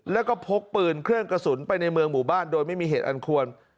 แล้วก็พกปืนเครื่องกระสุนไปในเมืองหมู่บ้านโดยไม่มีเหตุอันควร